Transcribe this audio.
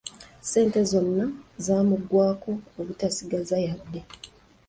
Ssente zonna zaamugwako obutasigaza yadde!